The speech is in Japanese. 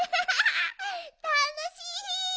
たのしい！